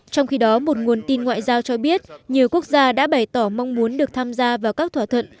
trong khi đó một nguồn tin ngoại giao cho biết nhiều quốc gia đã bày tỏ mong muốn được tham gia vào các thỏa thuận